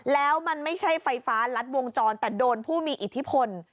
แล้วมันไม่ใช่ไฟฟ้ารัดวงจรแต่โดนผู้มีอิทธิพล